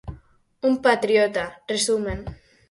"Un patriota", resumen.